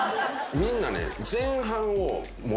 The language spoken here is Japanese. みんなね。